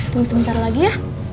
tunggu sebentar lagi ya